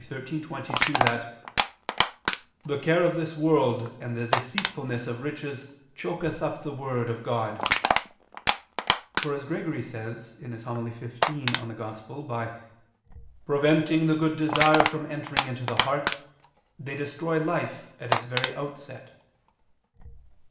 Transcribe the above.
13:22) that "the care of this world and the deceitfulness of riches choketh up the word" of God, for as Gregory says (Hom. xv in Ev.) by "preventing the good desire from entering into the heart, they destroy life at its very outset."